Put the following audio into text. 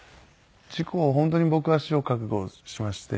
事故本当に僕は死を覚悟しまして。